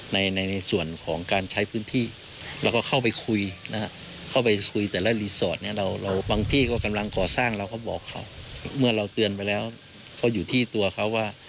ในส่วนนี้เราบังเกิดเขาไม่ได้